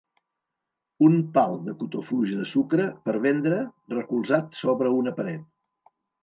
Un pal de cotó fluix de sucre per vendre recolzat sobre una paret.